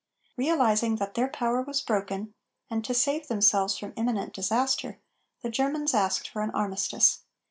Realizing that their power was broken and to save themselves from imminent disaster, the Germans asked for an armistice.